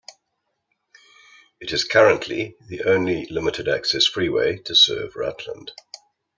It is currently the only limited-access freeway to serve Rutland.